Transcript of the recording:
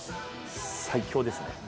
最強ですね。